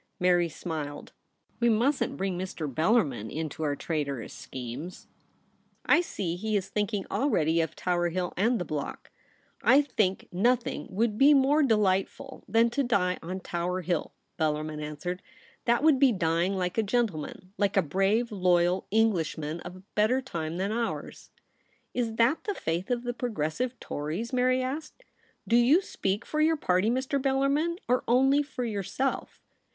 Mary smiled. ' We mustn't bring Mr. Bellarmin into our traitorous schemes. I see he is thinkinof already of Tower Hill and the block.' ' I think nothing would be more delightful 76 THE REBEL ROSE. than to die on Tower Hill,' Bellarmin an swered; 'that would be dying like a gentle man — like a brave loyal Englishman of a better time than ours.' * Is that the faith of the Progressive Tories ?' Mary asked. ' Do you speak for your party, Mr. Bellarmin, or only for your self